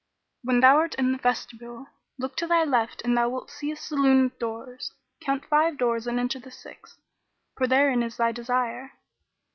When thou art in the vestibule, look to thy left and thou wilt see a saloon with doors: count five doors and enter the sixth, for therein is thy desire."